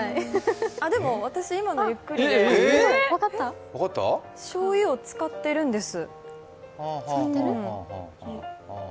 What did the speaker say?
でも、私、今のゆっくりでしょうゆを使っているんです。